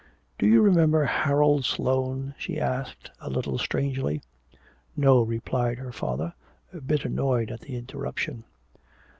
"Do you remember Harold Sloane?" she asked a little strangely. "No," replied her father, a bit annoyed at the interruption.